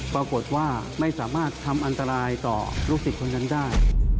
ปรากฏว่าไม่สามารถทำอันตรายต่อลูกศิษย์คนนั้นได้